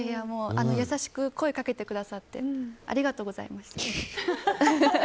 優しく声掛けてくださってありがとうございました。